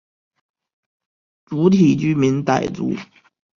主体居民傣族。